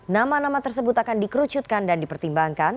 nama nama tersebut akan dikerucutkan dan dipertimbangkan